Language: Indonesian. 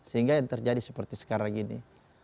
sehingga yang terjadi seperti sekarang ini